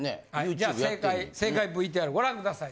じゃあ正解ＶＴＲご覧ください。